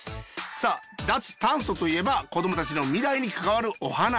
さあ脱炭素といえば子どもたちの未来に関わるお話。